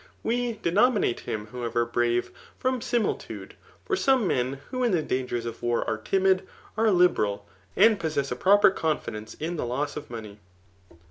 We denominate faim^ however, brave from simifitude ; for some men, whoJn the dangers of war are dmid, are liheral, and possess a pro* pi^ confidence in the loss of money.